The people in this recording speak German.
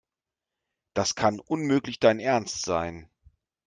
Das kann unmöglich dein Ernst sein.